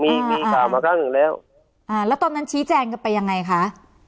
มีมีข่าวมาครั้งหนึ่งแล้วอ่าแล้วตอนนั้นชี้แจงกันไปยังไงคะ